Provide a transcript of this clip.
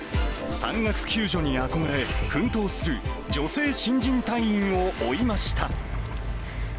山岳救助に憧れ奮闘する女性新人隊員を追いました。